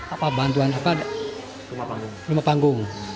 apa bantuan apa rumah panggung